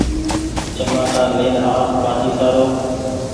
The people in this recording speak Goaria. چمآٽا لين آس ڀآڃي سآرو